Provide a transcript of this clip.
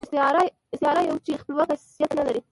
استعاره يو چې خپلواک حيثيت نه لري.